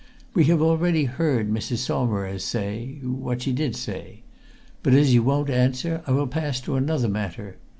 "We have already heard Mrs. Saumarez say what she did say. But, as you won't answer, I will pass to another matter.